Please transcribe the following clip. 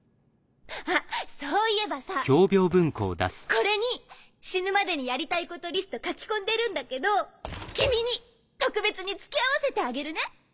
あそういえばさこれに死ぬまでにやりたいことリスト書き込んでるんだけど君に特別に付き合わせてあげるね。